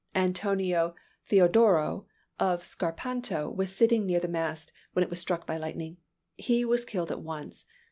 Antonio Teodoro, of Scarpanto, was sitting near the mast, when it was struck by lightning. He was killed at once.